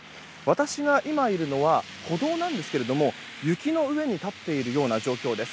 私が今いるのは歩道なんですが雪の上に立っているような状況です。